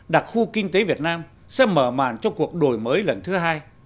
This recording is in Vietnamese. đặc khu kinh tế việt nam sẽ mở màn cho cuộc đổi mới lần thứ hai